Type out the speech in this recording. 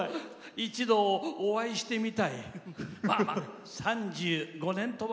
一度お会いしてみたい。